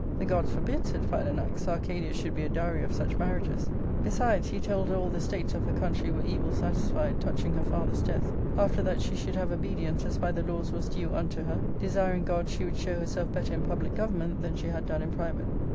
" The gods forbid," said Philanax, *' Arcadia should be a dowry of such marriages !" Besides, he told her all the states of her country were evil satisfied touching her father's death. After that she should have obedience as by the laws was due unto her, desiring God she would show herself better in public government than she had done in private.